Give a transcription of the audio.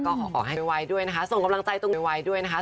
ก็ขอให้เวยวัยด้วยนะคะส่งกำลังใจตรงเวยวัยด้วยนะคะ